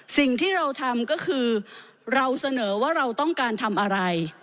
สิ่งที่เราทำก็คือเราเสนอว่าเราต้องการทำอะไร